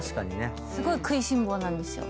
すごい食いしん坊なんですよ。